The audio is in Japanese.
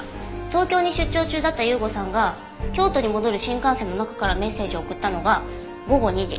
東京に出張中だった雄吾さんが京都に戻る新幹線の中からメッセージを送ったのが午後２時。